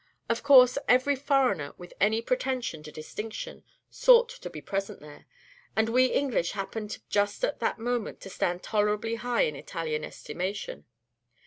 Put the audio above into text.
Of course every foreigner, with any pretension to distinction, sought to be presented there, and we English happened just at that moment to stand tolerably high in Italian estimation.